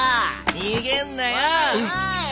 逃げんなよ。